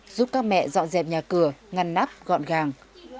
giúp các mẹ dọn dẹp nhà cửa ngăn nắp gọn gàng